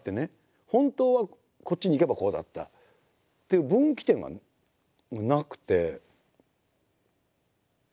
本当はこっちに行けばこうだったっていう分岐点がなくて。